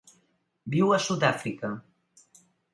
Viu a Sud-àfrica.